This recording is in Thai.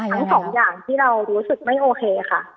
ทั้งสองอย่างที่เรารู้สึกไม่โอเคค่ะ